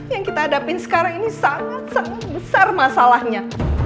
yang kita hadapin sekarang ini sangat sangat besar masalahnya